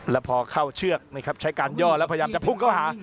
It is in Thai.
แล้วพอเข้าเชือกใช้การย่อแล้วพยายามจะพุ่งเข้าหา